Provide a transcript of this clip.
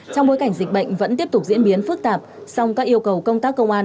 trong bối cảnh dịch bệnh vẫn tiếp tục diễn biến phức tạp song các yêu cầu công tác công an